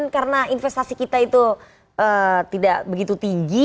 karena investasi kita itu tidak begitu tinggi